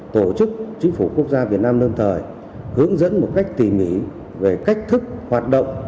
tổ chức chính phủ quốc gia việt nam lâm thời hướng dẫn một cách tỉ mỉ về cách thức hoạt động